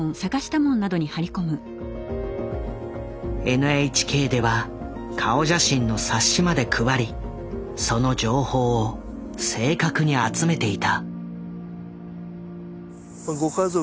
ＮＨＫでは顔写真の冊子まで配りその情報を正確に集めていた。